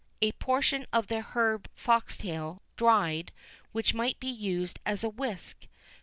A portion of the herb foxtail, dried, which might be used as a whisk.